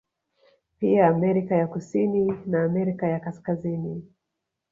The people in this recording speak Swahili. Pia Amerika ya kusini na Amerika ya Kaskazini